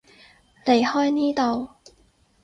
離開呢度